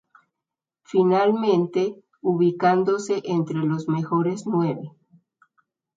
Finalmente ubicándose entre los mejores nueve.